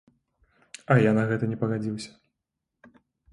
А я на гэта не пагадзіўся.